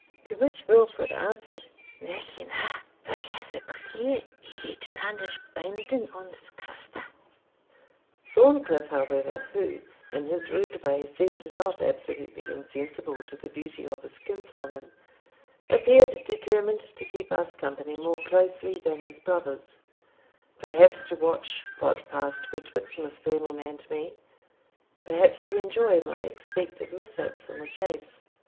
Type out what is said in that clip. To which Wilfred answered, "Like enow, for he has a queer outlandish binding on's castor." Thorncliff, however, who in his rude way seemed not absolutely insensible to the beauty of his kinswoman, appeared determined to keep us company more closely than his brothers, perhaps to watch what passed betwixt Miss Vernon and me perhaps to enjoy my expected mishaps in the chase.